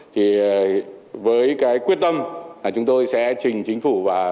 thì với cái quyết tâm chúng tôi sẽ trình chính phủ và